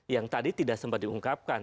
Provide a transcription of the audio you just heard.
yang tadi tidak sempat diungkapkan